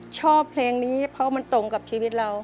ชอบเพลงนี้เพราะมันตรงกับชีวิตเรา